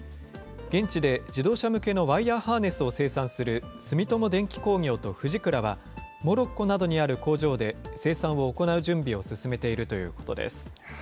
現地で自動車向けのワイヤーハーネスを生産する住友電気工業とフジクラは、モロッコなどにある工場で、生産を行う準備を進めているということです。